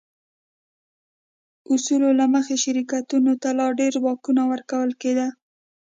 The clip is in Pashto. اصولو له مخې شرکتونو ته لا ډېر واکونه ورکول کېده.